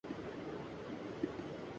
پرواز ہے دونوں کی اسی ایک فضا میں